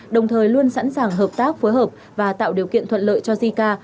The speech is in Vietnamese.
đồng thời luôn sẵn sàng hợp tác phối hợp và tạo điều kiện thuận lợi cho jica